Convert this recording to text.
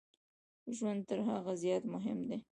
ژوند تر هغه زیات مهم دی.